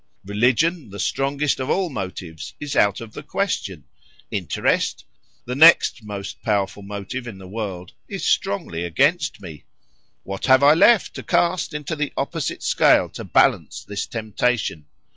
—Religion, the strongest of all motives, is out of the question;—Interest, the next most powerful motive in the world, is strongly against me:——What have I left to cast into the opposite scale to balance this temptation?